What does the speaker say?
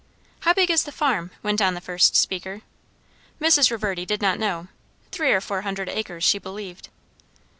"How big is the farm?" went on the first speaker. Mrs. Reverdy did not know; three or four hundred acres, she believed.